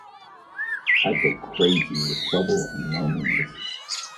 I’d go crazy with trouble and loneliness.